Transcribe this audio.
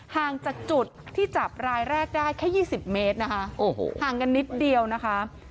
ห่างจากจุดที่จับรายแรกได้แค่๒๐เมตรนะคะโอ้โหห่างกันนิดเดียวนะคะ